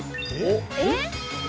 ・えっ？